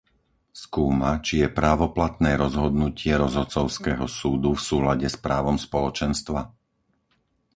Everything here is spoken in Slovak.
Skúma, či je právoplatné rozhodnutie rozhodcovského súdu v súlade s právom Spoločenstva?